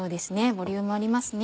ボリュームありますね。